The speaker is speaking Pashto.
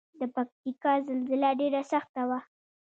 د پکتیکا زلزله ډیره سخته وه